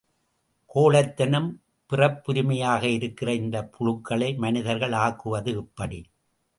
கோழைத்தனம் பிறப்புரிமையாக இருக்கிற இந்தப் புழுக்களை மனிதர்கள் ஆக்குவது எப்படி?